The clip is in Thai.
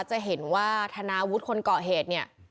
จะเห็นว่าธนาวุฒิคนเกาะเหตุเนี่ย